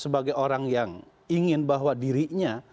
sebagai orang yang ingin bahwa dirinya